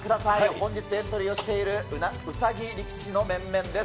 本日、エントリーをしているうさぎ力士の面々です。